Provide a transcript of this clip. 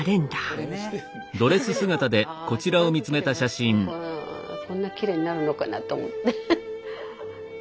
あ時間かけてこんなきれいになるのかなと思って。